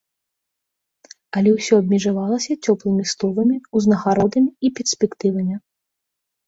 Але ўсё абмежавалася цёплымі словамі, узнагародамі і перспектывамі.